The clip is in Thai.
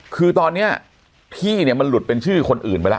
คือตอนนี้ที่เนี่ยมันหลุดเป็นชื่อคนอื่นไปแล้ว